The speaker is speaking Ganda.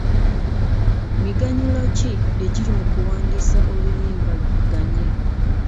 Miganyulo ki egiri mu kuwandiisa oluyimba luvuganye?